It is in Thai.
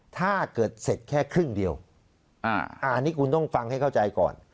ถ้าเกิดเสร็จแค่ครึ่งเดียวอันนี้คุณต้องฟังให้เข้าใจก่อน